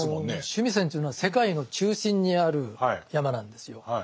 須弥山というのは世界の中心にある山なんですよ。